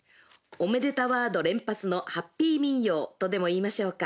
おめでたワード連発のハッピー民謡とでも言いましょうか。